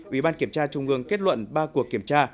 ủy ban kiểm tra trung ương kết luận ba cuộc kiểm tra